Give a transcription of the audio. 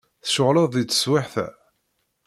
Tceɣleḍ deg teswiɛt-a?